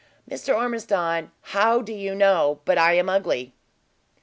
"Mr. Ormiston, how do you know but I am ugly."